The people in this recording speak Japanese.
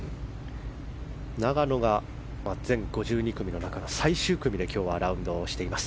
永野が全５２組の中で最終組で今日はラウンドしています。